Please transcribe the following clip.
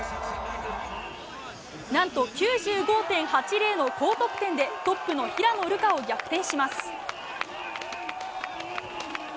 何と９５．８０の高得点でトップの平野流佳を逆転します。